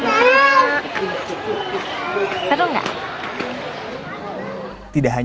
tidak hanya menyelamatkan